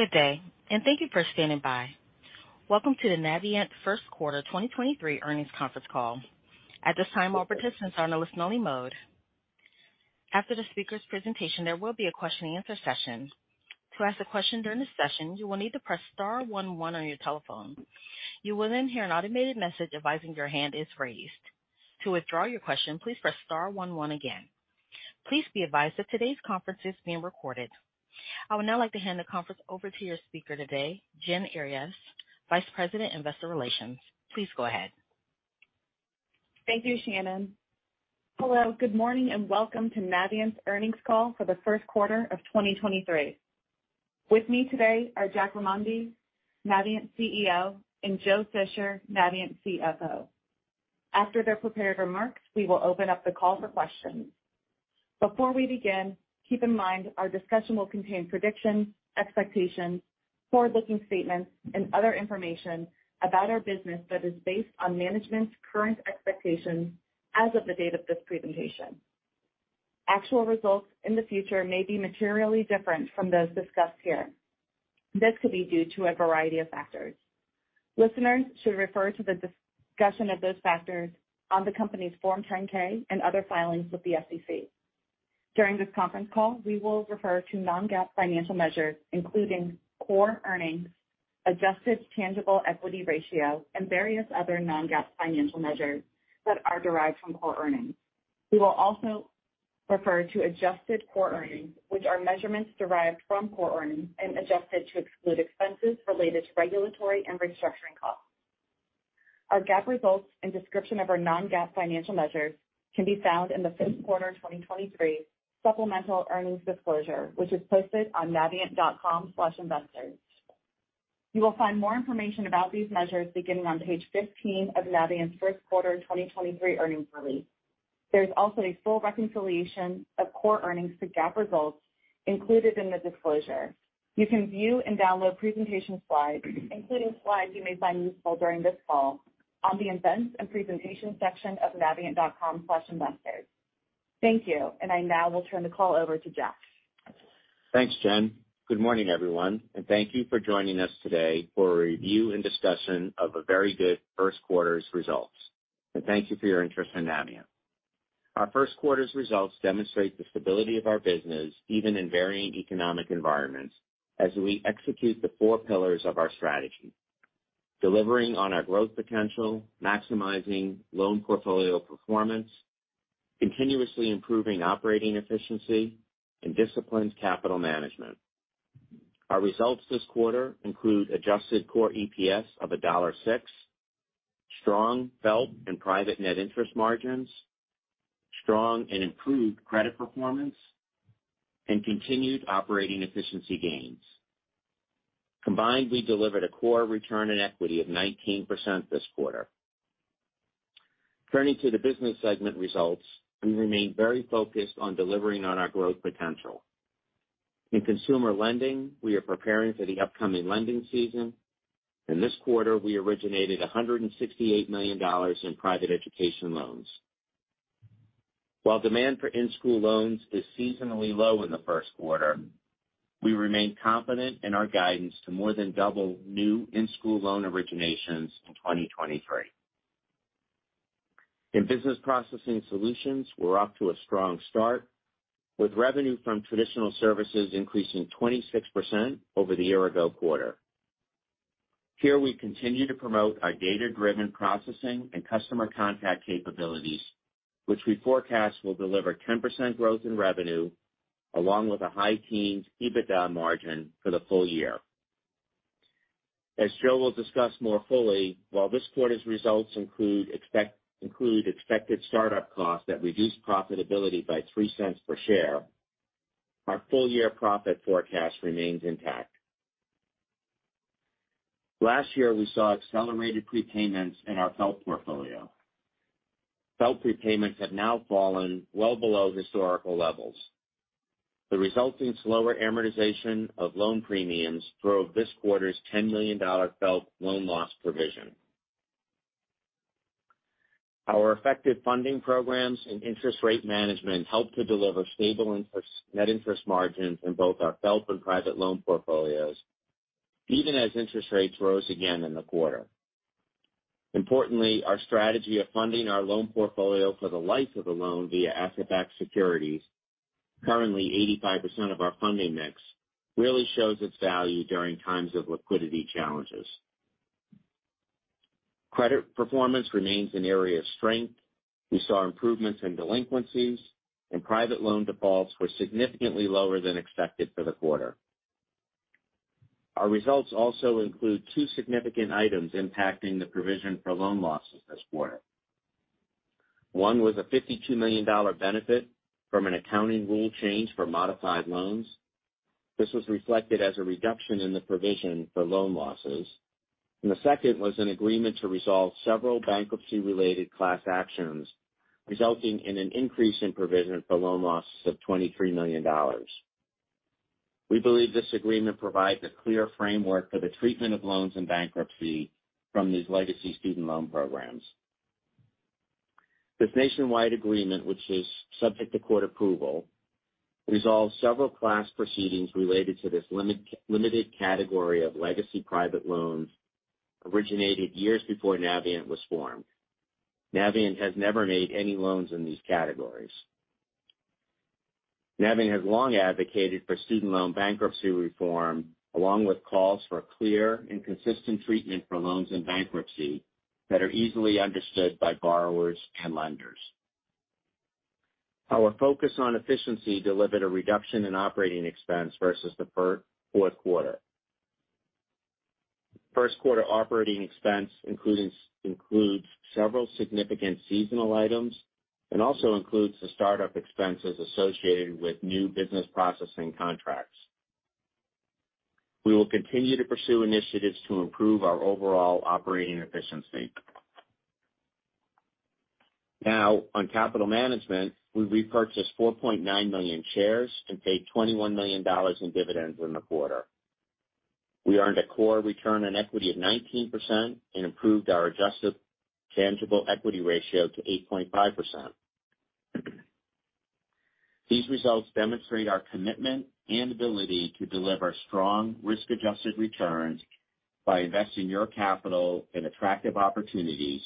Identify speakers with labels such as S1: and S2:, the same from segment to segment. S1: Good day, and thank you for standing by. Welcome to the Navient first quarter 2023 earnings conference call. At this time, all participants are in a listen-only mode. After the speaker's presentation, there will be a question-and-answer session. To ask a question during this session, you will need to press star one one on your telephone. You will then hear an automated message advising your hand is raised. To withdraw your question, please press star one one again. Please be advised that today's conference is being recorded. I would now like to hand the conference over to your speaker today, Jen Earyes, Vice President, Investor Relations. Please go ahead.
S2: Thank you, Shannon. Hello, good morning, welcome to Navient's earnings call for the first quarter of 2023. With me today are Jack Remondi, Navient's CEO, and Joe Fisher, Navient's CFO. After their prepared remarks, we will open up the call for questions. Before we begin, keep in mind our discussion will contain predictions, expectations, forward-looking statements, and other information about our business that is based on management's current expectations as of the date of this presentation. Actual results in the future may be materially different from those discussed here. This could be due to a variety of factors. Listeners should refer to the discussion of those factors on the company's Form 10-K and other filings with the SEC. During this conference call, we will refer to non-GAAP financial measures, including core earnings, adjusted tangible equity ratio, and various other non-GAAP financial measures that are derived from core earnings. We will also refer to adjusted core earnings, which are measurements derived from core earnings and adjusted to exclude expenses related to regulatory and restructuring costs. Our GAAP results and description of our non-GAAP financial measures can be found in the first quarter of 2023 supplemental earnings disclosure, which is posted on navient.com/investors. You will find more information about these measures beginning on page 15 of Navient's first quarter 2023 earnings release. There's also a full reconciliation of core earnings to GAAP results included in the disclosure. You can view and download presentation slides, including slides you may find useful during this call, on the events and presentation section of navient.com/investors. Thank you, and I now will turn the call over to Jack.
S3: Thanks, Jen. Good morning, everyone, and thank you for joining us today for a review and discussion of a very good first quarter's results. Thank you for your interest in Navient. Our first quarter's results demonstrate the stability of our business, even in varying economic environments, as we execute the four pillars of our strategy: delivering on our growth potential, maximizing loan portfolio performance, continuously improving operating efficiency, and disciplined capital management. Our results this quarter include adjusted core EPS of $1.06, strong FFELP and private net interest margins, strong and improved credit performance, and continued operating efficiency gains. Combined, we delivered a core return in equity of 19% this quarter. Turning to the business segment results, we remain very focused on delivering on our growth potential. In consumer lending, we are preparing for the upcoming lending season. This quarter we originated $168 million in private education loans. While demand for in-school loans is seasonally low in the first quarter, we remain confident in our guidance to more than double new in-school loan originations in 2023. In business processing solutions, we're off to a strong start, with revenue from traditional services increasing 26% over the year-ago quarter. Here we continue to promote our data-driven processing and customer contact capabilities, which we forecast will deliver 10% growth in revenue along with a high teens EBITDA margin for the full year. As Joe will discuss more fully, while this quarter's results include expected startup costs that reduce profitability by $0.03 per share, our full-year profit forecast remains intact. Last year, we saw accelerated prepayments in our FFELP portfolio. FFELP prepayments have now fallen well below historical levels. The resulting slower amortization of loan premiums drove this quarter's $10 million FFELP loan loss provision. Our effective funding programs and interest rate management helped to deliver stable net interest margins in both our FFELP and private loan portfolios, even as interest rates rose again in the quarter. Importantly, our strategy of funding our loan portfolio for the life of the loan via asset-backed securities, currently 85% of our funding mix, really shows its value during times of liquidity challenges. Credit performance remains an area of strength. We saw improvements in delinquencies, and private loan defaults were significantly lower than expected for the quarter. Our results also include two significant items impacting the provision for loan losses this quarter. One was a $52 million benefit from an accounting rule change for modified loans. This was reflected as a reduction in the provision for loan losses. The second was an agreement to resolve several bankruptcy-related class actions, resulting in an increase in provision for loan losses of $23 million. We believe this agreement provides a clear framework for the treatment of loans and bankruptcy from these legacy student loan programs. This nationwide agreement, which is subject to court approval, resolves several class proceedings related to this limited category of legacy private loans originated years before Navient was formed. Navient has never made any loans in these categories. Navient has long advocated for student loan bankruptcy reform, along with calls for clear and consistent treatment for loans in bankruptcy that are easily understood by borrowers and lenders. Our focus on efficiency delivered a reduction in operating expense versus the fourth quarter. First quarter operating expense includes several significant seasonal items and also includes the start-up expenses associated with new business processing contracts. We will continue to pursue initiatives to improve our overall operating efficiency. On capital management, we repurchased 4.9 million shares and paid $21 million in dividends in the quarter. We earned a core return on equity of 19% and improved our adjusted tangible equity ratio to 8.5%. These results demonstrate our commitment and ability to deliver strong risk-adjusted returns by investing your capital in attractive opportunities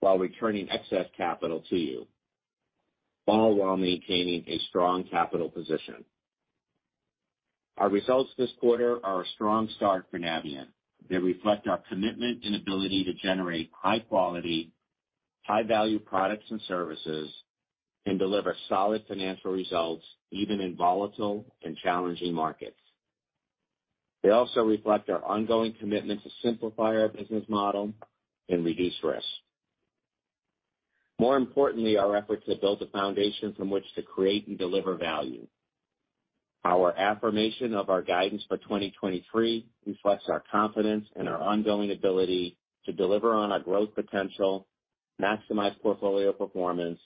S3: while returning excess capital to you, all while maintaining a strong capital position. Our results this quarter are a strong start for Navient. They reflect our commitment and ability to generate high quality, high value products and services, and deliver solid financial results even in volatile and challenging markets. They also reflect our ongoing commitment to simplify our business model and reduce risk. More importantly, our effort to build a foundation from which to create and deliver value. Our affirmation of our guidance for 2023 reflects our confidence and our ongoing ability to deliver on our growth potential, maximize portfolio performance,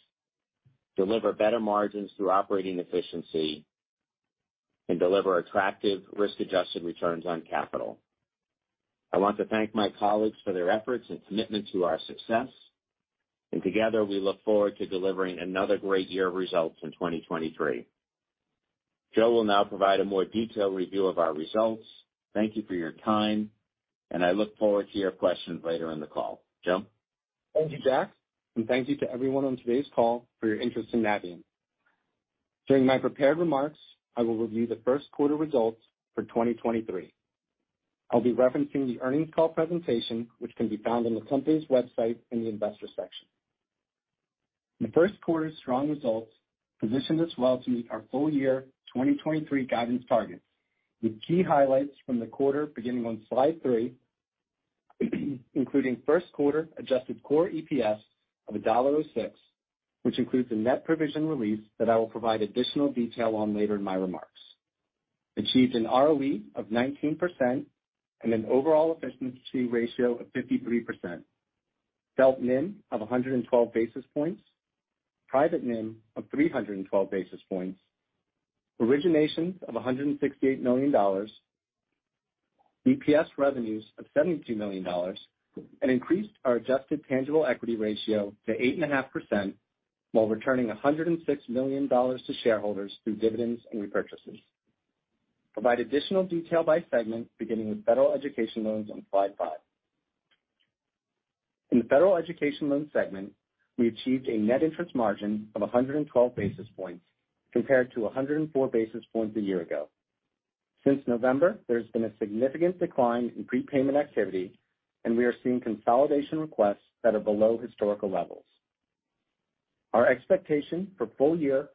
S3: deliver better margins through operating efficiency, and deliver attractive risk-adjusted returns on capital. I want to thank my colleagues for their efforts and commitment to our success, and together, we look forward to delivering another great year of results in 2023. Joe will now provide a more detailed review of our results. Thank you for your time, and I look forward to your questions later in the call. Joe?
S4: Thank you, Jack, and thank you to everyone on today's call for your interest in Navient. During my prepared remarks, I will review the first quarter results for 2023. I'll be referencing the earnings call presentation, which can be found on the company's website in the Investors section. The first quarter's strong results position us well to meet our full year 2023 guidance targets, with key highlights from the quarter beginning on slide three, including first quarter adjusted core EPS of $1.06, which includes the net provision release that I will provide additional detail on later in my remarks. Achieved an ROE of 19% and an overall efficiency ratio of 53%. FFELP NIM of 112 basis points. Private NIM of 312 basis points. Originations of $168 million. BPS revenues of $72 million, and increased our adjusted tangible equity ratio to 8.5% while returning $106 million to shareholders through dividends and repurchases. Provide additional detail by segment, beginning with federal education loans on slide five. In the federal education loans segment, we achieved a net interest margin of 112 basis points compared to 104 basis points a year ago. Since November, there's been a significant decline in prepayment activity, and we are seeing consolidation requests that are below historical levels. Our expectation for full year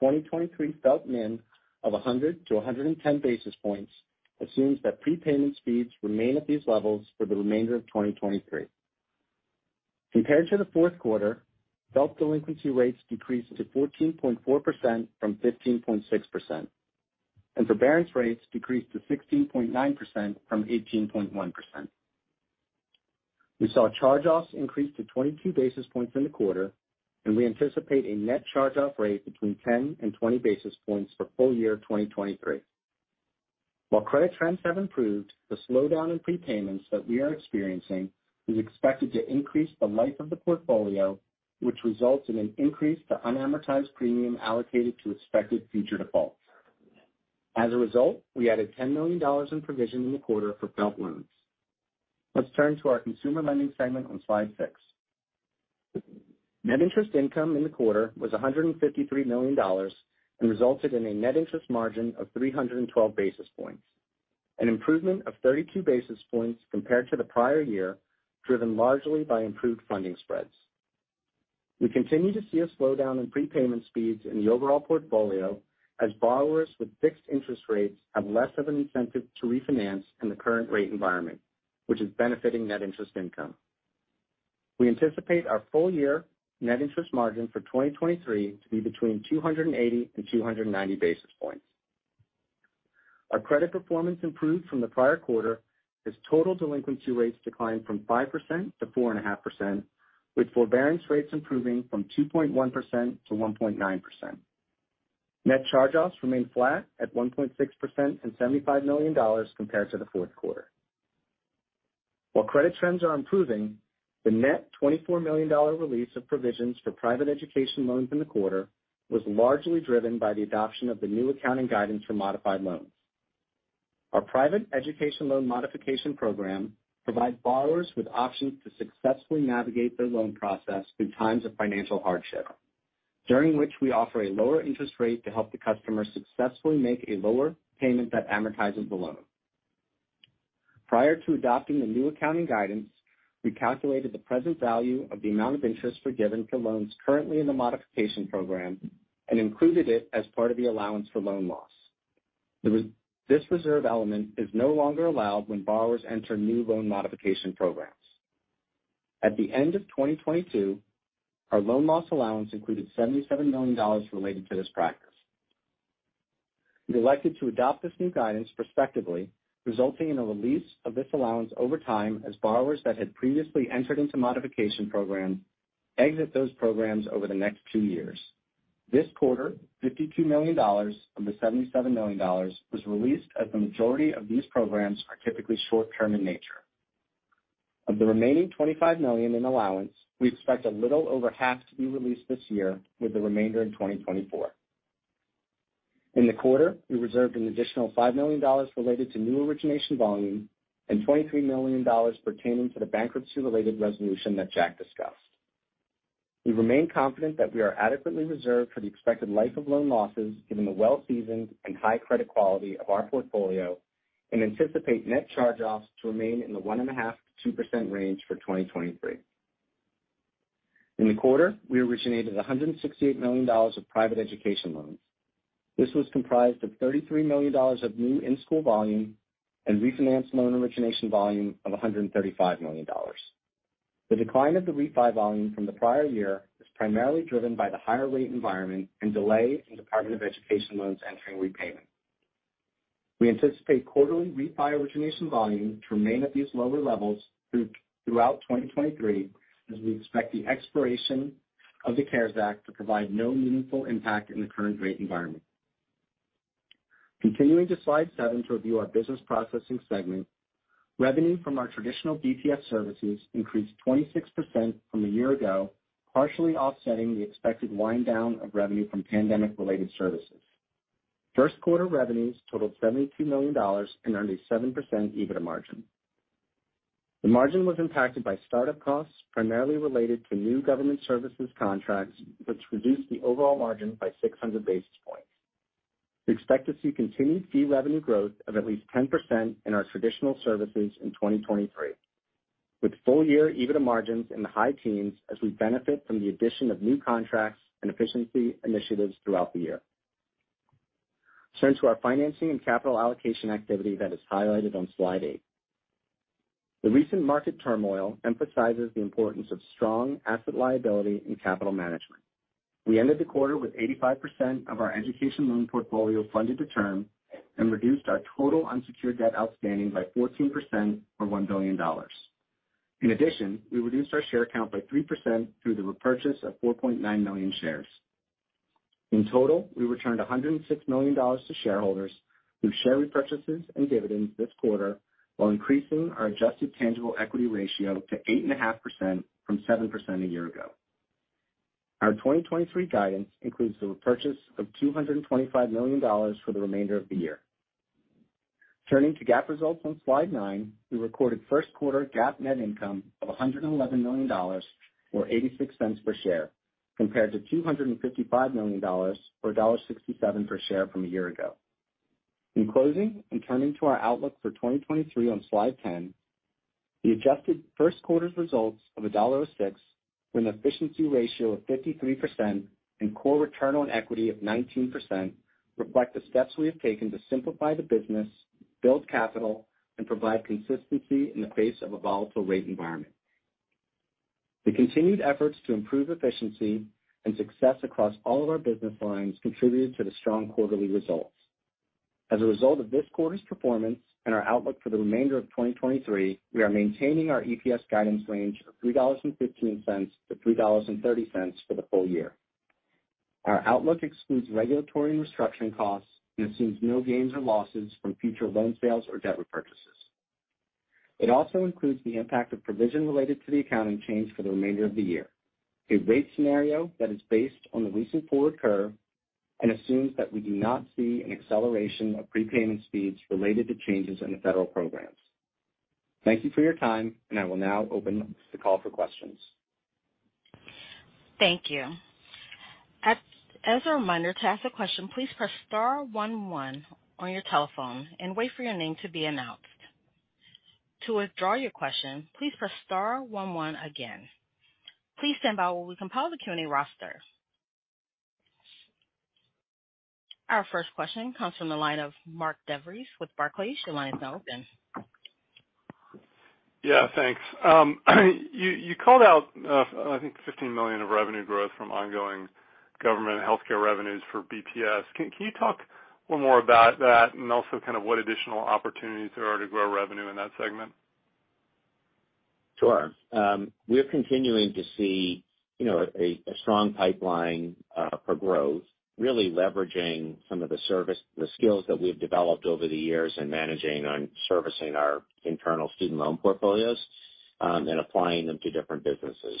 S4: 2023 FFELP NIM of 100-110 basis points assumes that prepayment speeds remain at these levels for the remainder of 2023. Compared to the fourth quarter, FFELP delinquency rates decreased to 14.4% from 15.6%, and forbearance rates decreased to 16.9% from 18.1%. We saw charge-offs increase to 22 basis points in the quarter, and we anticipate a net charge-off rate between 10 and 20 basis points for full year 2023. While credit trends have improved, the slowdown in prepayments that we are experiencing is expected to increase the life of the portfolio, which results in an increase to unamortized premium allocated to expected future defaults. As a result, we added $10 million in provision in the quarter for FFELP loans. Let's turn to our consumer lending segment on slide six. Net interest income in the quarter was $153 million and resulted in a net interest margin of 312 basis points, an improvement of 32 basis points compared to the prior year, driven largely by improved funding spreads. We continue to see a slowdown in prepayment speeds in the overall portfolio as borrowers with fixed interest rates have less of an incentive to refinance in the current rate environment, which is benefiting net interest income. We anticipate our full year net interest margin for 2023 to be between 280 and 290 basis points. Our credit performance improved from the prior quarter as total delinquency rates declined from 5% to 4.5%, with forbearance rates improving from 2.1% to 1.9%. Net charge-offs remained flat at 1.6% and $75 million compared to the fourth quarter. Credit trends are improving, the net $24 million release of provisions for private education loans in the quarter was largely driven by the adoption of the new accounting guidance for modified loans. Our private education loan modification program provides borrowers with options to successfully navigate their loan process through times of financial hardship, during which we offer a lower interest rate to help the customer successfully make a lower payment that amortizes the loan. Prior to adopting the new accounting guidance, we calculated the present value of the amount of interest forgiven for loans currently in the modification program and included it as part of the allowance for loan loss. This reserve element is no longer allowed when borrowers enter new loan modification programs. At the end of 2022, our loan loss allowance included $77 million related to this practice. We elected to adopt this new guidance prospectively, resulting in a release of this allowance over time as borrowers that had previously entered into modification program exit those programs over the next 2 years. This quarter, $52 million from the $77 million was released as the majority of these programs are typically short-term in nature. Of the remaining $25 million in allowance, we expect a little over half to be released this year, with the remainder in 2024. In the quarter, we reserved an additional $5 million related to new origination volume and $23 million pertaining to the bankruptcy-related resolution that Jack discussed. We remain confident that we are adequately reserved for the expected life of loan losses, given the well-seasoned and high credit quality of our portfolio, and anticipate net charge-offs to remain in the 1.5%-2% range for 2023. In the quarter, we originated $168 million of private education loans. This was comprised of $33 million of new in-school volume and refinance loan origination volume of $135 million. The decline of the refi volume from the prior year was primarily driven by the higher rate environment and delay in Department of Education loans entering repayment. We anticipate quarterly refi origination volume to remain at these lower levels throughout 2023, as we expect the expiration of the CARES Act to provide no meaningful impact in the current rate environment. Continuing to slide seven to review our business processing segment. Revenue from our traditional BPS services increased 26% from a year ago, partially offsetting the expected wind down of revenue from pandemic-related services. First quarter revenues totaled $72 million and earned a 7% EBITDA margin. The margin was impacted by startup costs, primarily related to new government services contracts, which reduced the overall margin by 600 basis points. We expect to see continued fee revenue growth of at least 10% in our traditional services in 2023, with full year EBITDA margins in the high teens as we benefit from the addition of new contracts and efficiency initiatives throughout the year. Turning to our financing and capital allocation activity that is highlighted on slide eight. The recent market turmoil emphasizes the importance of strong asset liability and capital management. We ended the quarter with 85% of our education loan portfolio funded to term and reduced our total unsecured debt outstanding by 14% or $1 billion. We reduced our share count by 3% through the repurchase of 4.9 million shares. We returned $106 million to shareholders through share repurchases and dividends this quarter, while increasing our adjusted tangible equity ratio to 8.5% from 7% a year ago. Our 2023 guidance includes the repurchase of $225 million for the remainder of the year. Turning to GAAP results on slide nine. We recorded first quarter GAAP net income of $111 million, or $0.86 per share, compared to $255 million, or $1.67 per share from a year ago. In closing, turning to our outlook for 2023 on slide 10. The adjusted first quarter's results of $1.06 with an efficiency ratio of 53% and core return on equity of 19% reflect the steps we have taken to simplify the business, build capital, and provide consistency in the face of a volatile rate environment. The continued efforts to improve efficiency and success across all of our business lines contributed to the strong quarterly results. As a result of this quarter's performance and our outlook for the remainder of 2023, we are maintaining our EPS guidance range of $3.15-$3.30 for the full year. Our outlook excludes regulatory and restructuring costs and assumes no gains or losses from future loan sales or debt repurchases. It also includes the impact of provision related to the accounting change for the remainder of the year, a rate scenario that is based on the recent forward curve and assumes that we do not see an acceleration of prepayment speeds related to changes in the federal programs. Thank you for your time, and I will now open the call for questions.
S1: Thank you. As a reminder, to ask a question, please press star one one on your telephone and wait for your name to be announced. To withdraw your question, please press star one one again. Please stand by while we compile the Q&A roster. Our first question comes from the line of Mark DeVries with Barclays. Your line is now open.
S5: Yeah, thanks. You called out, I think $15 million of revenue growth from ongoing government healthcare revenues for BPS. Can you talk a little more about that and also kind of what additional opportunities there are to grow revenue in that segment?
S3: Sure. We're continuing to see, you know, a strong pipeline for growth, really leveraging some of the skills that we've developed over the years in managing and servicing our internal student loan portfolios, and applying them to different businesses.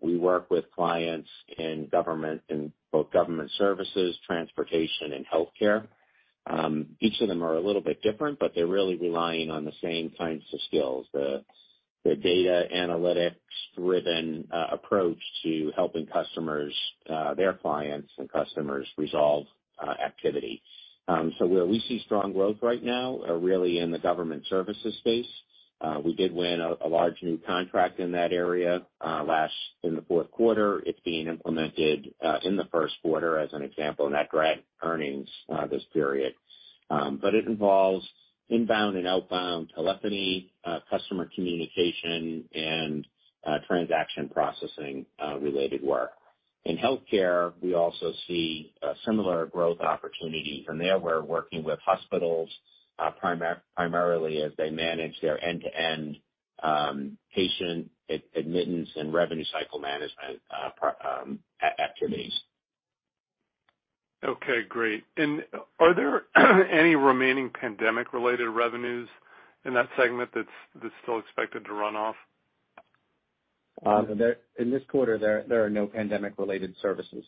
S3: We work with clients in government, in both government services, transportation and healthcare. Each of them are a little bit different, but they're really relying on the same kinds of skills. The data analytics-driven approach to helping customers, their clients and customers resolve activity. Where we see strong growth right now are really in the government services space. We did win a large new contract in that area in the fourth quarter. It's being implemented in the first quarter as an example, and that dragged earnings this period. It involves inbound and outbound telephony, customer communication and transaction processing, related work. In healthcare, we also see a similar growth opportunity. From there, we're working with hospitals, primarily as they manage their end-to-end, patient admittance and revenue cycle management, activities.
S5: Okay, great. Are there any remaining pandemic-related revenues in that segment that's still expected to run off?
S4: In this quarter, there are no pandemic-related services.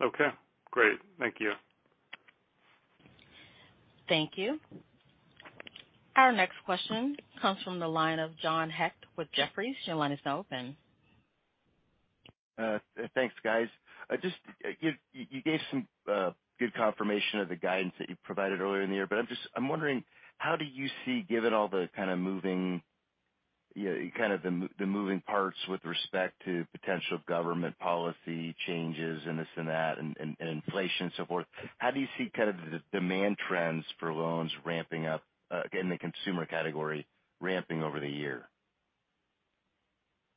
S5: Okay, great. Thank you.
S1: Thank you. Our next question comes from the line of John Hecht with Jefferies. Your line is now open.
S6: Thanks, guys. just, you gave some good confirmation of the guidance that you provided earlier in the year. I'm wondering, how do you see, given all the kind of moving, you know, kind of the moving parts with respect to potential government policy changes and this and that and inflation and so forth, how do you see kind of the demand trends for loans ramping up in the consumer category ramping over the year?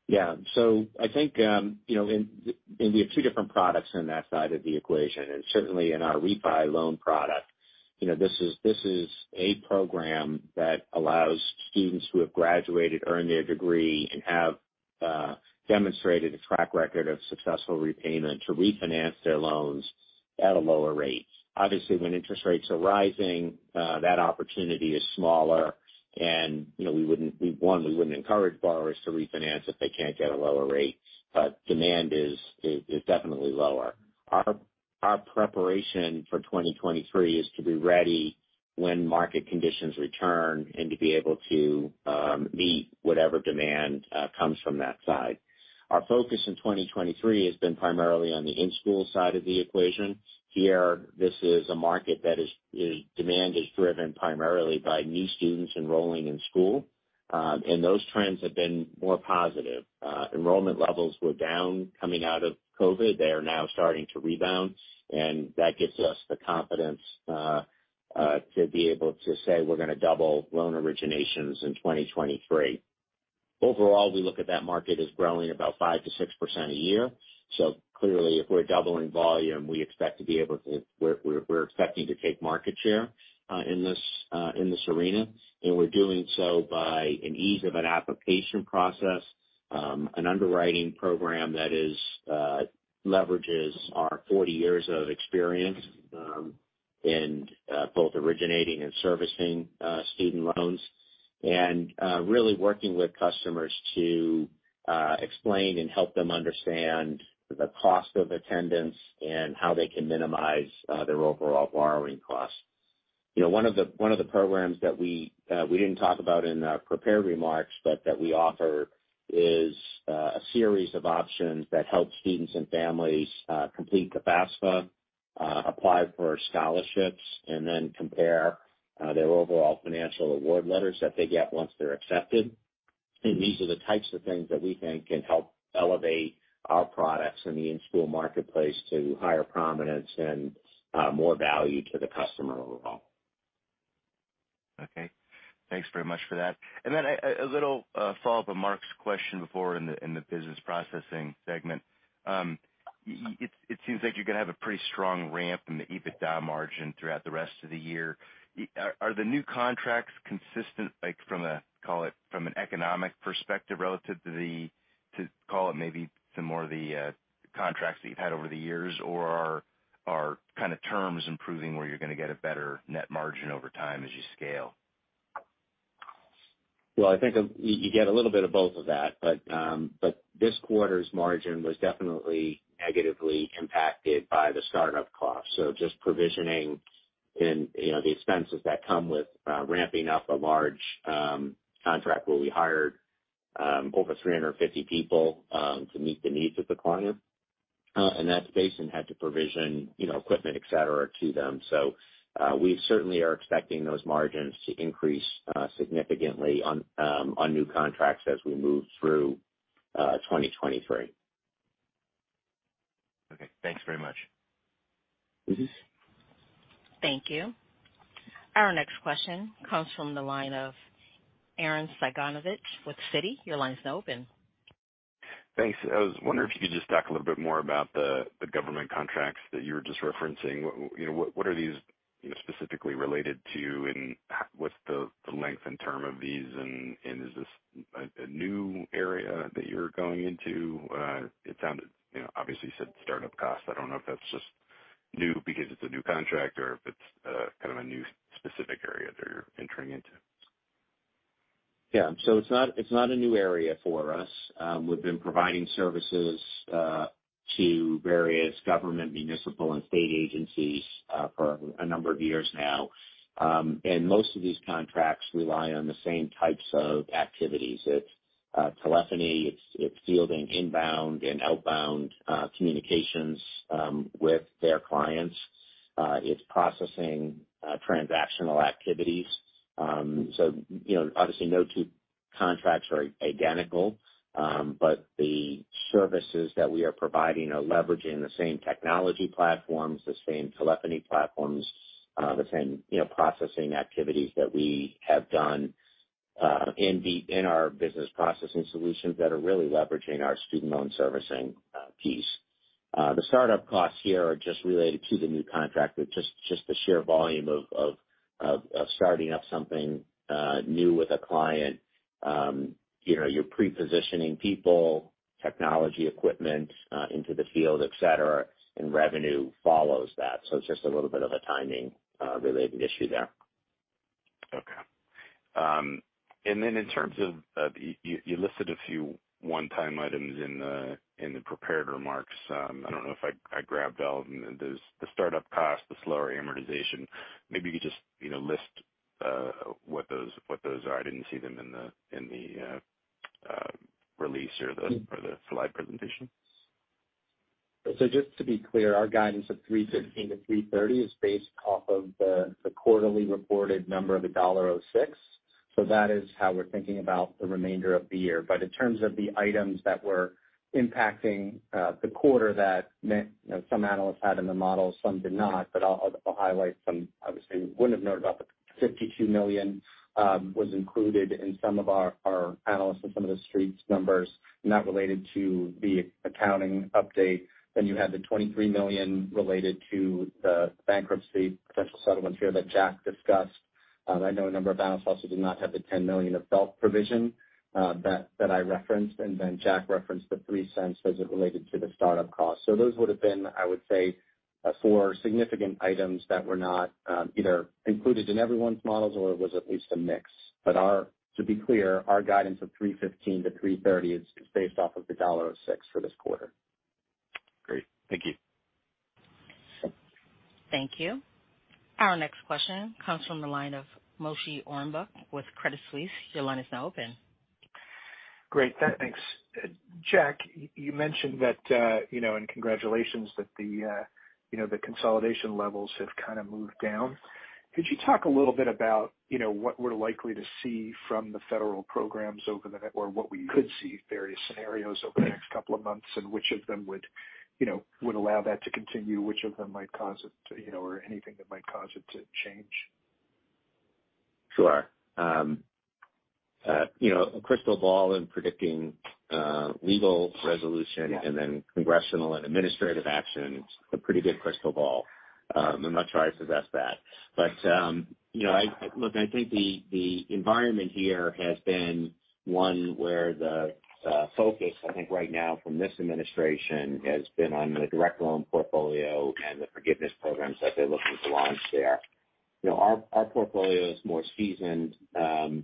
S3: I think, you know, in the two different products in that side of the equation, and certainly in our refi loan product, you know, this is, this is a program that allows students who have graduated, earned their degree, and have demonstrated a track record of successful repayment to refinance their loans at a lower rate. Obviously, when interest rates are rising, that opportunity is smaller. You know, we wouldn't encourage borrowers to refinance if they can't get a lower rate. Demand is definitely lower. Our preparation for 2023 is to be ready when market conditions return and to be able to meet whatever demand comes from that side. Our focus in 2023 has been primarily on the in-school side of the equation. This is a market that is demand is driven primarily by new students enrolling in school, and those trends have been more positive. Enrollment levels were down coming out of COVID. They are now starting to rebound. That gives us the confidence to be able to say we're gonna double loan originations in 2023. Overall, we look at that market as growing about 5%-6% a year. Clearly, if we're doubling volume, we expect to be able to take market share in this arena. We're doing so by an ease of an application process, an underwriting program that is, leverages our 40 years of experience, in both originating and servicing student loans. Really working with customers to explain and help them understand the cost of attendance and how they can minimize their overall borrowing costs. You know, one of the, one of the programs that we didn't talk about in our prepared remarks, but that we offer is a series of options that help students and families complete the FAFSA, apply for scholarships, and then compare their overall financial award letters that they get once they're accepted. These are the types of things that we think can help elevate our products in the in-school marketplace to higher prominence and more value to the customer overall.
S6: Okay. Thanks very much for that. Then a little follow-up on Mark's question before in the business processing segment. It seems like you're gonna have a pretty strong ramp in the EBITDA margin throughout the rest of the year. Are the new contracts consistent, like from a, call it, from an economic perspective relative to call it maybe some more of the contracts that you've had over the years? Are kind of terms improving where you're gonna get a better net margin over time as you scale?
S3: I think you get a little bit of both of that. This quarter's margin was definitely negatively impacted by the startup costs. Just provisioning and, you know, the expenses that come with ramping up a large contract where we hired over 350 people to meet the needs of the client. That's based on had to provision, you know, equipment, etc., to them. We certainly are expecting those margins to increase significantly on new contracts as we move through 2023.
S6: Okay. Thanks very much.
S3: Mm-hmm.
S1: Thank you. Our next question comes from the line of Arren Cyganovich with Citi. Your line is now open.
S7: Thanks. I was wondering if you could just talk a little bit more about the government contracts that you were just referencing. What are these, you know, specifically related to, and what's the length and term of these and is this a new area that you're going into? It sounded, you know, obviously you said startup costs. I don't know if that's just new because it's a new contract or if it's kind of a new specific area that you're entering into.
S3: Yeah. It's not, it's not a new area for us. We've been providing services to various government, municipal, and state agencies for a number of years now. Most of these contracts rely on the same types of activities. It's telephony, it's fielding inbound and outbound communications with their clients. It's processing transactional activities. You know, obviously no two contracts are identical, but the services that we are providing are leveraging the same technology platforms, the same telephony platforms, the same, you know, processing activities that we have done in our business processing solutions that are really leveraging our student loan servicing piece. The startup costs here are just related to the new contract with just the sheer volume of starting up something new with a client. You know, you're pre-positioning people, technology equipment, into the field, etc., and revenue follows that. It's just a little bit of a timing related issue there.
S7: Okay. In terms of you listed a few one-time items in the prepared remarks. I don't know if I grabbed all of them. There's the startup cost, the slower amortization. Maybe you could just, you know, list what those are. I didn't see them in the release or the slide presentation.
S4: Just to be clear, our guidance of $3.15-$3.30 is based off of the quarterly reported number of $1.06. That is how we're thinking about the remainder of the year. In terms of the items that were impacting the quarter that meant, you know, some analysts had in the models, some did not, but I'll highlight some. Obviously wouldn't have known about the $52 million was included in some of our analysts and some of the streets numbers, not related to the accounting update. You had the $23 million related to the bankruptcy potential settlements here that Jack discussed. I know a number of analysts also did not have the $10 million of FFELP provision that I referenced. Jack referenced the $0.03 as it related to the startup cost. Those would have been, I would say, four significant items that were not either included in everyone's models or it was at least a mix. to be clear, our guidance of $3.15-$3.30 is based off of the $1.06 for this quarter.
S7: Great. Thank you.
S1: Thank you. Our next question comes from the line of Moshe Orenbuch with Credit Suisse. Your line is now open.
S8: Great. Thanks. Jack, you mentioned that, you know, and congratulations that the, you know, the consolidation levels have kind of moved down. Could you talk a little bit about, you know, what we're likely to see from the federal programs or what we could see various scenarios over the next couple of months, and which of them would, you know, would allow that to continue, which of them might cause it, you know, or anything that might cause it to change?
S3: Sure. You know, a crystal ball in predicting legal resolution and then congressional and administrative action is a pretty good crystal ball. I'm not sure I possess that. You know, look, I think the environment here has been one where the focus, I think right now from this administration, has been on the direct loan portfolio and the forgiveness programs that they're looking to launch there. You know, our portfolio is more seasoned.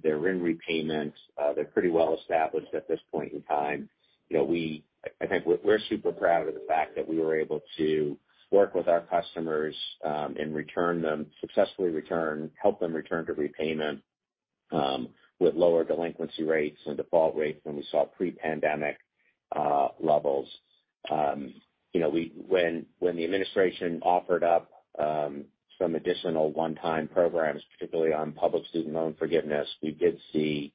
S3: They're in repayment. They're pretty well established at this point in time. You know, I think we're super proud of the fact that we were able to work with our customers and successfully return, help them return to repayment with lower delinquency rates and default rates than we saw pre-pandemic levels. You know, when the administration offered up some additional one-time programs, particularly on Public Service Loan Forgiveness, we did see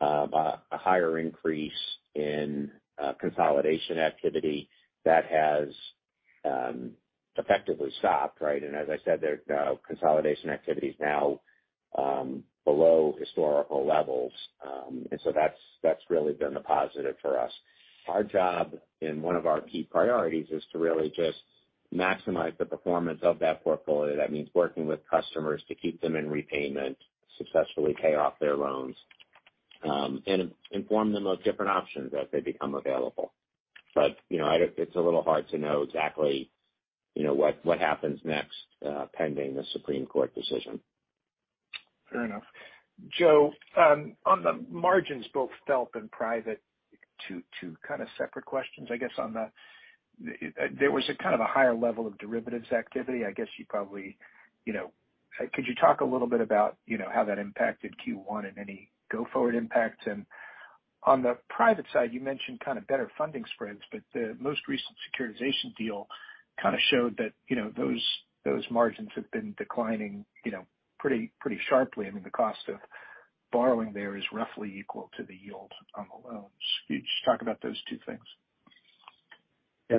S3: a higher increase in consolidation activity that has effectively stopped, right? As I said, their consolidation activity is now below historical levels. That's really been a positive for us. Our job and one of our key priorities is to really just maximize the performance of that portfolio. That means working with customers to keep them in repayment, successfully pay off their loans, and inform them of different options as they become available. You know, it's a little hard to know exactly, you know, what happens next, pending the Supreme Court decision.
S8: Fair enough. Joe, on the margins, both FFELP and private, two kind of separate questions, I guess on the, there was a kind of a higher level of derivatives activity. I guess you probably, you know, could you talk a little bit about, you know, how that impacted Q1 and any go-forward impact? On the private side, you mentioned kind of better funding spreads, but the most recent securitization deal kind of showed that, you know, those margins have been declining, you know, pretty sharply. I mean, the cost of borrowing there is roughly equal to the yield on the loans. Could you just talk about those two things?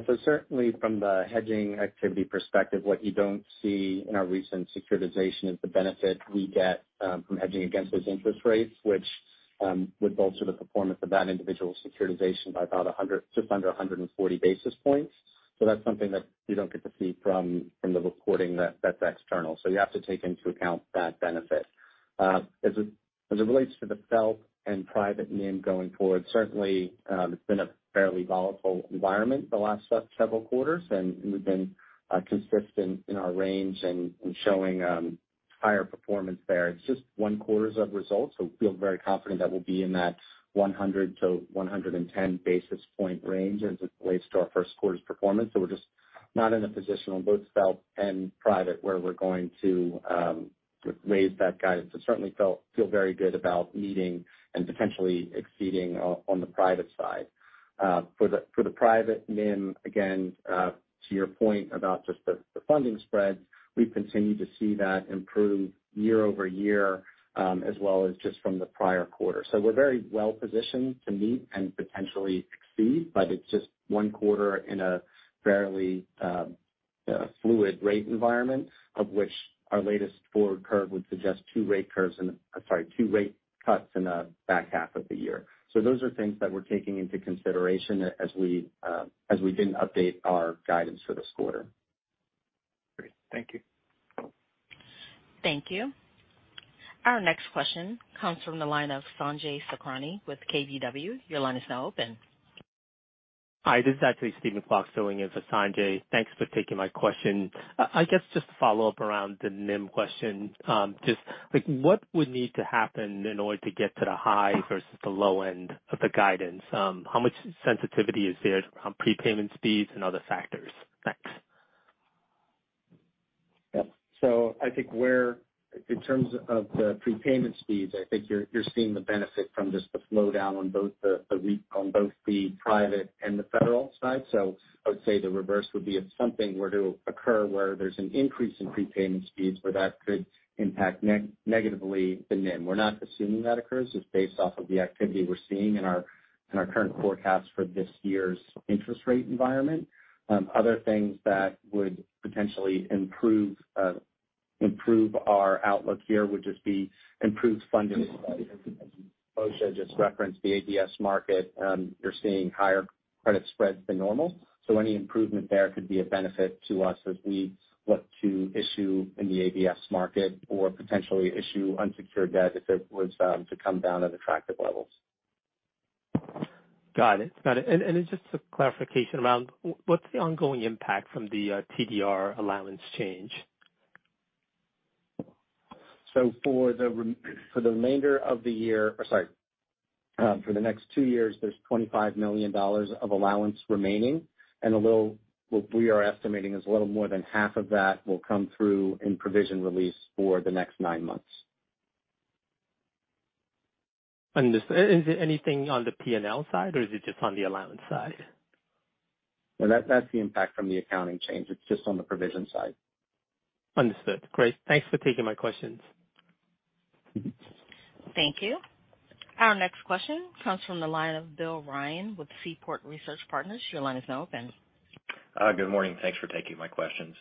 S4: So certainly from the hedging activity perspective, what you don't see in our recent securitization is the benefit we get from hedging against those interest rates, which would bolster the performance of that individual securitization by about just under 140 basis points. That's something that you don't get to see from the recording that's external. You have to take into account that benefit. As it relates to the FFELP and private NIM going forward, certainly, it's been a fairly volatile environment the last several quarters, and we've been consistent in our range and showing higher performance there. It's just one quarter of results, so we feel very confident that we'll be in that 100 to 110 basis point range as it relates to our first quarter's performance. We're just not in a position on both FFELP and private, where we're going to sort of raise that guidance. Certainly feel very good about meeting and potentially exceeding on the private side. For the, for the private NIM, again, to your point about just the funding spreads, we continue to see that improve year-over-year, as well as just from the prior quarter. We're very well positioned to meet and potentially exceed, but it's just one quarter in a fairly fluid rate environment of which our latest forward curve would suggest sorry, two rate cuts in the back half of the year. Those are things that we're taking into consideration as we, as we didn't update our guidance for this quarter.
S8: Great. Thank you.
S1: Thank you. Our next question comes from the line of Sanjay Sakhrani with KBW. Your line is now open.
S9: Hi, this is actually Steven Fox filling in for Sanjay. Thanks for taking my question. I guess just to follow up around the NIM question, just like what would need to happen in order to get to the high versus the low end of the guidance? How much sensitivity is there on prepayment speeds and other factors? Thanks.
S4: I think in terms of the prepayment speeds, I think you're seeing the benefit from just the flow down on both the private and the federal side. I would say the reverse would be if something were to occur where there's an increase in prepayment speeds where that could impact negatively the NIM. We're not assuming that occurs. It's based off of the activity we're seeing in our, in our current forecast for this year's interest rate environment. Other things that would potentially improve our outlook here would just be improved funding as Moshe just referenced the ABS market, you're seeing higher credit spreads than normal. Any improvement there could be a benefit to us as we look to issue in the ABS market or potentially issue unsecured debt if it was to come down at attractive levels.
S9: Got it. It's just a clarification around what's the ongoing impact from the TDR allowance change?
S4: For the remainder of the year or sorry, for the next two years, there's $25 million of allowance remaining. Although what we are estimating is a little more than half of that will come through in provision release for the next nine months.
S9: Understood. Is it anything on the P&L side or is it just on the allowance side?
S4: No, that's the impact from the accounting change. It's just on the provision side.
S9: Understood. Great. Thanks for taking my questions.
S1: Thank you. Our next question comes from the line of Bill Ryan with Seaport Research Partners. Your line is now open.
S10: Good morning. Thanks for taking my questions.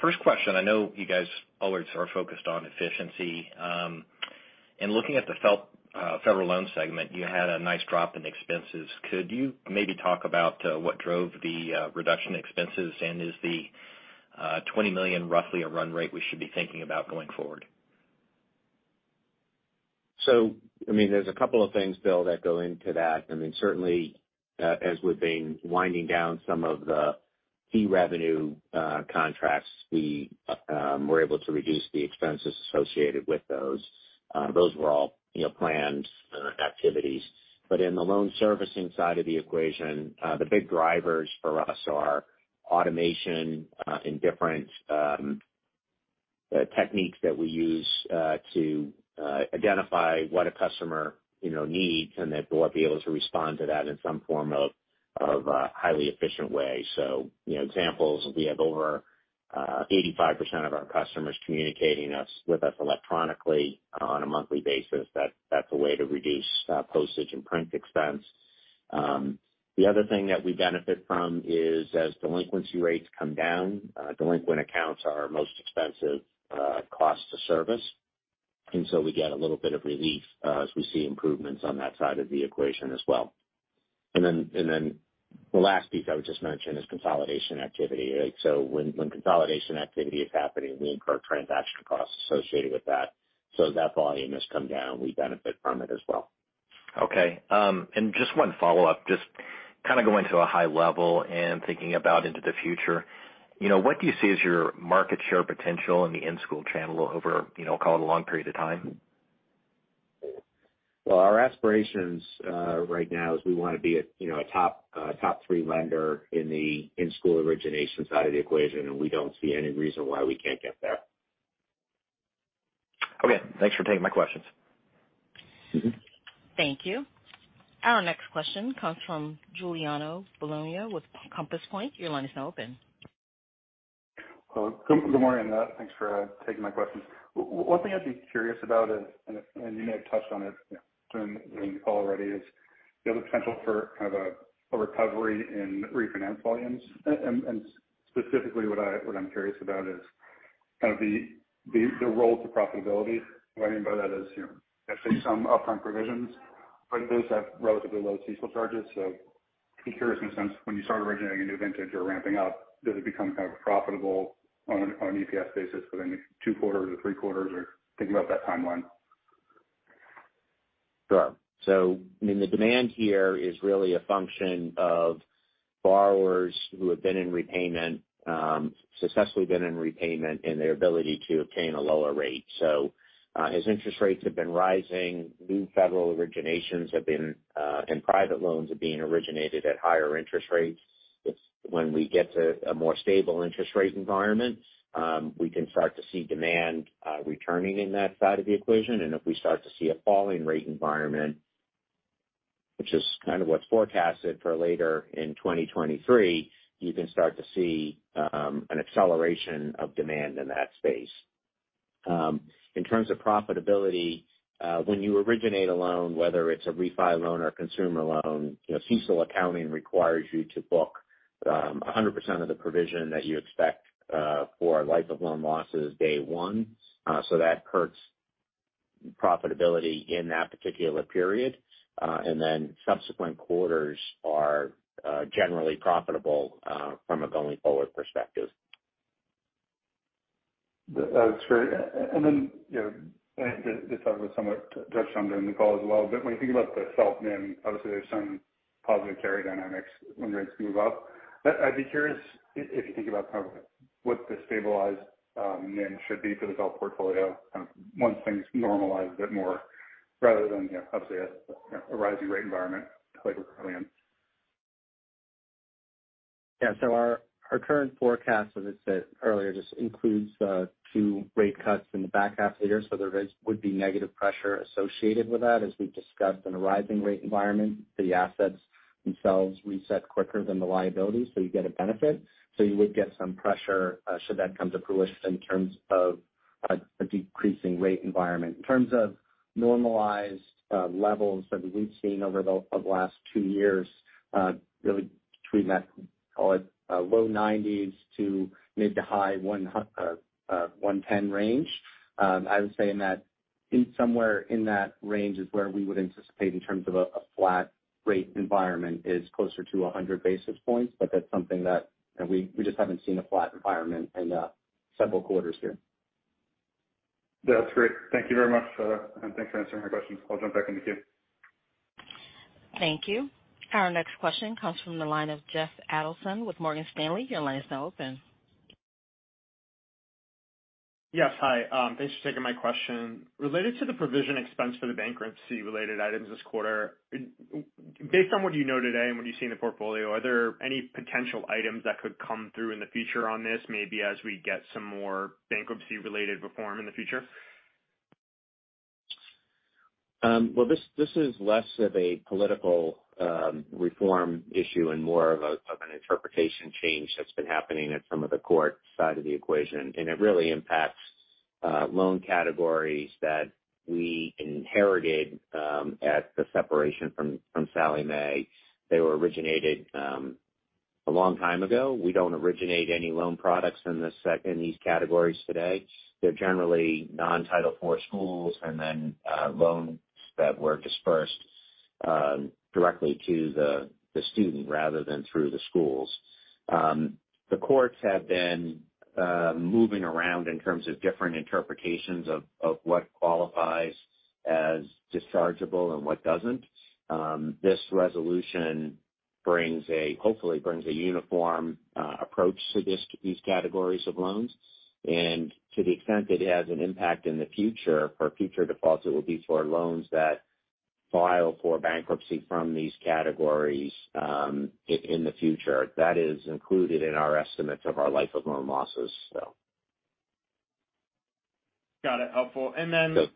S10: First question, I know you guys always are focused on efficiency. In looking at the FFEL Federal Loan segment, you had a nice drop in expenses. Could you maybe talk about what drove the reduction expenses? Is the $20 million roughly a run rate we should be thinking about going forward?
S3: I mean, there's a couple of things, Bill, that go into that. I mean, certainly, as we've been winding down some of the fee revenue contracts, we were able to reduce the expenses associated with those. Those were all, you know, planned activities. In the loan servicing side of the equation, the big drivers for us are automation, in different techniques that we use to identify what a customer, you know, needs, and then we'll be able to respond to that in some form of a highly efficient way. You know, examples, we have over 85% of our customers communicating with us electronically on a monthly basis. That's a way to reduce postage and print expense. The other thing that we benefit from is as delinquency rates come down, delinquent accounts are our most expensive cost to service. We get a little bit of relief as we see improvements on that side of the equation as well. Then the last piece I would just mention is consolidation activity. When consolidation activity is happening, we incur transaction costs associated with that. As that volume has come down, we benefit from it as well.
S10: Okay. Just one follow-up, just kind of going to a high level and thinking about into the future. You know, what do you see as your market share potential in the in-school channel over, you know, call it a long period of time?
S3: Well, our aspirations, right now is we want to be a, you know, a top three lender in the in-school origination side of the equation. We don't see any reason why we can't get there.
S10: Okay. Thanks for taking my questions.
S3: Mm-hmm.
S1: Thank you. Our next question comes from Giuliano Bologna with Compass Point. Your line is now open.
S11: Well, good morning, Matt. Thanks for taking my questions. One thing I'd be curious about is, and you may have touched on it during the call already, is the other potential for kind of a recovery in refinance volumes. Specifically what I'm curious about is kind of the road to profitability. What I mean by that is, you know, I see some upfront provisions, but those have relatively low CECL charges. Be curious in a sense, when you start originating a new vintage or ramping up, does it become kind of profitable on an EPS basis within two quarters or three quarters, or think about that timeline?
S3: Sure. I mean, the demand here is really a function of borrowers who have been in repayment, successfully been in repayment in their ability to obtain a lower rate. As interest rates have been rising, new federal originations have been, and private loans are being originated at higher interest rates. When we get to a more stable interest rate environment, we can start to see demand returning in that side of the equation. If we start to see a falling rate environment, which is kind of what's forecasted for later in 2023, you can start to see an acceleration of demand in that space. In terms of profitability, when you originate a loan, whether it's a refi loan or a consumer loan, you know, CECL accounting requires you to book 100% of the provision that you expect for life of loan losses day one. That hurts profitability in that particular period. Then subsequent quarters are generally profitable from a going-forward perspective.
S11: That's great. Then, you know, this was somewhat touched on during the call as well, but when you think about the self NIM, obviously there's some positive carry dynamics when rates move up. I'd be curious if you think about kind of what the stabilized NIM should be for the self-portfolio kind of once things normalize a bit more rather than, you know, obviously a rising rate environment like we're currently in.
S4: Yeah. Our current forecast, as I said earlier, just includes two rate cuts in the back half of the year, would be negative pressure associated with that. As we've discussed, in a rising rate environment, the assets themselves reset quicker than the liabilities, so you get a benefit. You would get some pressure should that come to fruition in terms of a decreasing rate environment. In terms of normalized levels that we've seen over the last 2 years, really between that, call it, low 90s to maybe high 110 range. I would say somewhere in that range is where we would anticipate in terms of a flat rate environment is closer to 100 basis points, but that's something that, you know, we just haven't seen a flat environment in several quarters here.
S11: That's great. Thank you very much, and thanks for answering my question. I'll jump back in the queue.
S1: Thank you. Our next question comes from the line of Jeff Adelson with Morgan Stanley. Your line is now open.
S12: Yes. Hi. Thanks for taking my question. Related to the provision expense for the bankruptcy-related items this quarter, based on what you know today and what you see in the portfolio, are there any potential items that could come through in the future on this, maybe as we get some more bankruptcy-related reform in the future?
S3: Well, this is less of a political reform issue and more of an interpretation change that's been happening at some of the court side of the equation. It really impacts loan categories that we inherited at the separation from Sallie Mae. They were originated a long time ago. We don't originate any loan products in these categories today. They're generally non-Title IV schools and then loans that were dispersed directly to the student rather than through the schools. The courts have been moving around in terms of different interpretations of what qualifies as dischargeable and what doesn't. This resolution hopefully brings a uniform approach to these categories of loans. To the extent it has an impact in the future for future defaults, it will be for loans that file for bankruptcy from these categories, in the future. That is included in our estimates of our life of loan losses.
S12: Got it. Helpful.
S3: Yep.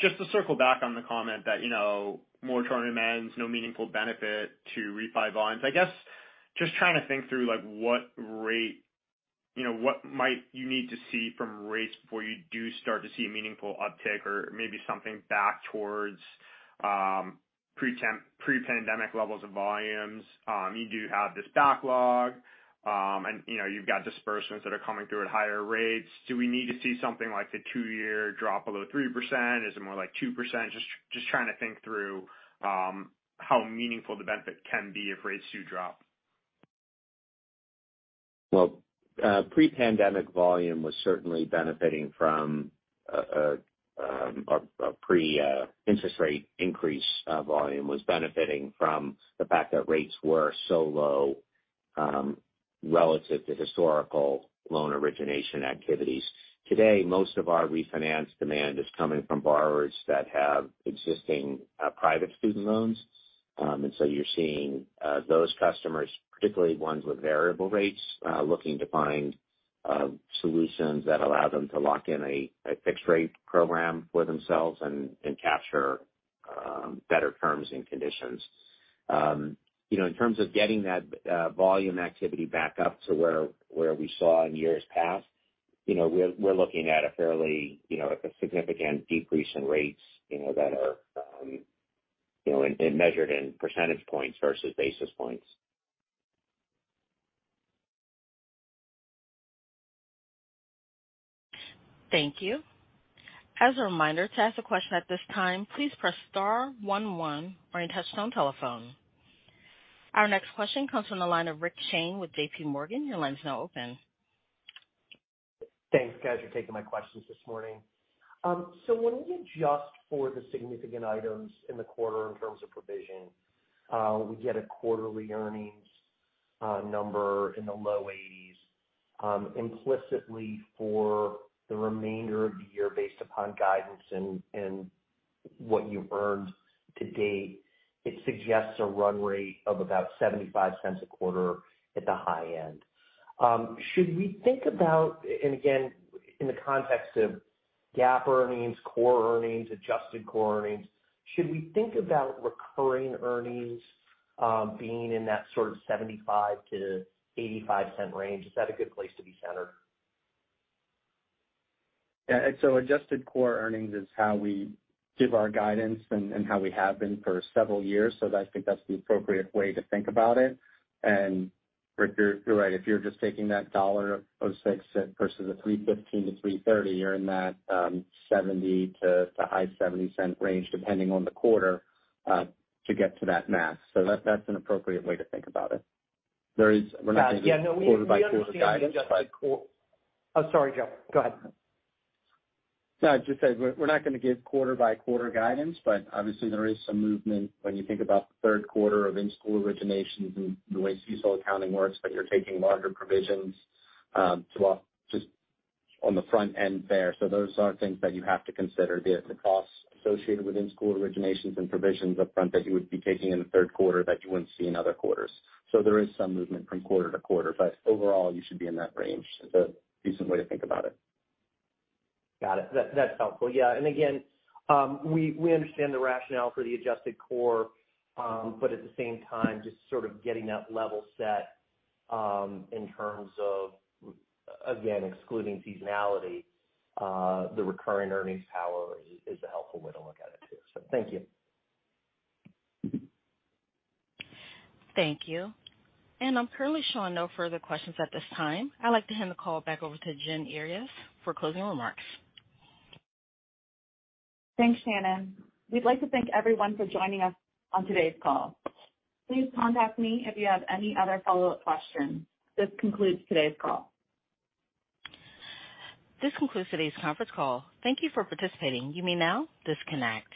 S12: Just to circle back on the comment that, you know, moratorium ends, no meaningful benefit to refi volumes. I guess, just trying to think through like what rate, you know, what might you need to see from rates before you do start to see a meaningful uptick or maybe something back towards pre-pandemic levels of volumes? You do have this backlog, and, you know, you've got disbursements that are coming through at higher rates. Do we need to see something like the 2-year drop below 3%? Is it more like 2%? Just trying to think through how meaningful the benefit can be if rates do drop.
S3: Pre-pandemic volume was certainly benefiting from pre interest rate increase, volume was benefiting from the fact that rates were so low, relative to historical loan origination activities. Today, most of our refinance demand is coming from borrowers that have existing private student loans. You're seeing those customers, particularly ones with variable rates, looking to find solutions that allow them to lock in fixed rate program for themselves and capture Better terms and conditions. You know, in terms of getting that volume activity back up to where we saw in years past, you know, we're looking at a fairly, you know, at a significant decrease in rates, you know, that are, you know, and measured in percentage points versus basis points.
S1: Thank you. As a reminder, to ask a question at this time, please press star one one on your touch-tone telephone. Our next question comes from the line of Rick Shane with JPMorgan. Your line's now open.
S13: Thanks guys for taking my questions this morning. So when we adjust for the significant items in the quarter in terms of provision, we get a quarterly earnings number in the low 80s, implicitly for the remainder of the year based upon guidance and what you've earned to date. It suggests a run rate of about $0.75 a quarter at the high end. Should we think about, and again, in the context of GAAP earnings, core earnings, adjusted core earnings, should we think about recurring earnings being in that sort of $0.75-$0.85 range? Is that a good place to be centered?
S4: Yeah. Adjusted core earnings is how we give our guidance and how we have been for several years. I think that's the appropriate way to think about it. Rick, you're right. If you're just taking that $0.06 versus the $3.15-$3.30, you're in that $0.70 to high $0.70 cent range, depending on the quarter, to get to that math. That's an appropriate way to think about it. We're not gonna give quarter by quarter guidance but.
S13: Yeah. No, we understand the adjusted quarter. Oh, sorry, Joe. Go ahead.
S4: I just said we're not gonna give quarter by quarter guidance, but obviously there is some movement when you think about the third quarter of in-school originations and the way CECL accounting works, that you're taking larger provisions, just on the front end there. Those are things that you have to consider via the costs associated with in-school originations and provisions up front that you would be taking in the third quarter that you wouldn't see in other quarters. There is some movement from quarter to quarter, but overall you should be in that range is a decent way to think about it.
S13: Got it. That's helpful. Yeah. Again, we understand the rationale for the adjusted core, but at the same time just sort of getting that level set, in terms of, again, excluding seasonality, the recurring earnings power is a helpful way to look at it too. Thank you.
S1: Thank you. I'm currently showing no further questions at this time. I'd like to hand the call back over to Jen Earyes for closing remarks.
S2: Thanks, Shannon. We'd like to thank everyone for joining us on today's call. Please contact me if you have any other follow-up questions. This concludes today's call.
S1: This concludes today's conference call. Thank you for participating. You may now disconnect.